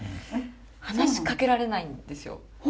話しかけられないんですよ。